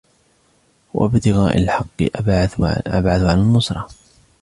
وَابْتِغَاءَ الْحَقِّ أَبْعَثُ عَلَى النُّصْرَةِ